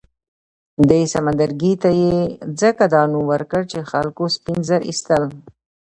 دې سمندرګي ته یې ځکه دا نوم ورکړ چې خلکو سپین زر اېستل.